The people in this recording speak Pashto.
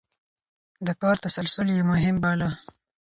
د کار تسلسل يې مهم باله.